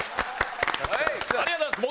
ありがとうございます。